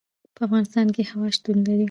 په افغانستان کې هوا شتون لري.